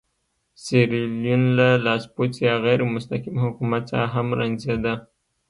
سیریلیون له لاسپوڅي یا غیر مستقیم حکومت څخه هم رنځېده.